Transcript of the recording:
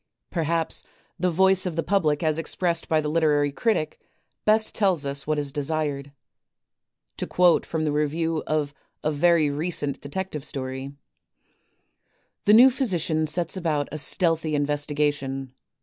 Perhaps the voice of the public as expressed by the literary critic best tells us what is desired. To quote from the review of a very recent Detective Story: "The new physician sets about a stealthy investigation.